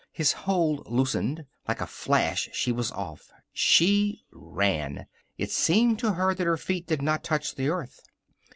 His hold loosened. Like a flash she was off. She ran. It seemed to her that her feet did not touch the earth.